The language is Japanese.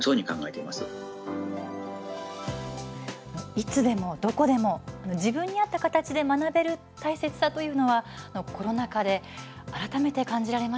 いつでもどこでも自分に合った形で学べる大切さというのは、コロナ禍で改めて感じられましたよね。